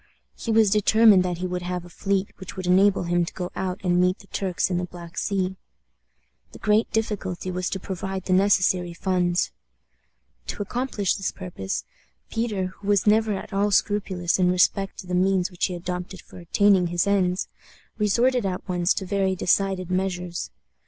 He was determined that he would have a fleet which would enable him to go out and meet the Turks in the Black Sea. The great difficulty was to provide the necessary funds. To accomplish this purpose, Peter, who was never at all scrupulous in respect to the means which he adopted for attaining his ends, resorted at once to very decided measures.